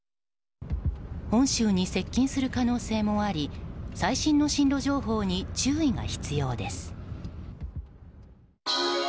本州に接近する可能性もあり最新の進路情報に注意が必要です。